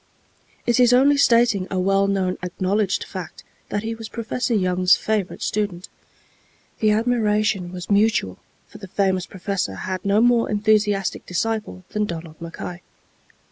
It is only stating a well known, acknowledged fact, that he was Professor Young's favorite student. The admiration was mutual, for the famous professor had no more enthusiastic disciple than Donald Mackay.